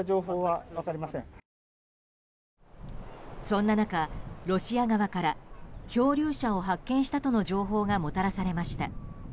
そんな中、ロシア側から漂流者を発見したとの情報がもたらされました。